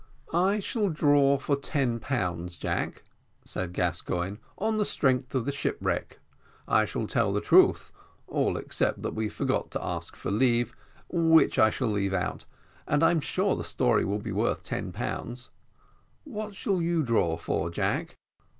"I shall draw for ten pounds, Jack," said Gascoigne, "on the strength of the shipwreck; I shall tell the truth, all except that we forgot to ask for leave, which I shall leave out; and I am sure the story will be worth ten pounds. What shall you draw for, Jack?"